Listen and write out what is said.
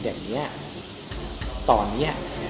เด็กนี้ตอนนี้